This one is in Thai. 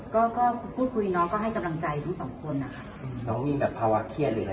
ก็ก็พูดคุยน้องก็ให้กำลังใจทั้งสองคนนะคะน้องมีแบบภาวะเครียดอยู่แล้ว